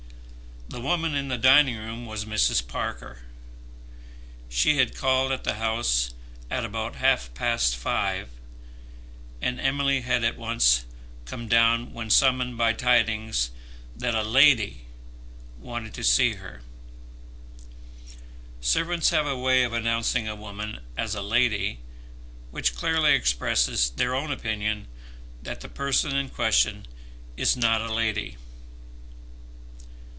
The woman in the dining room was Mrs. Parker. She had called at the house at about half past five, and Emily had at once come down when summoned by tidings that a "lady" wanted to see her. Servants have a way of announcing a woman as a lady, which clearly expresses their own opinion that the person in question is not a lady.